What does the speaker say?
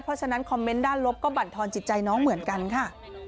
เพราะฉะนั้นคอมเมนต์ด้านลบก็บรรทอนจิตใจน้องเหมือนกันค่ะ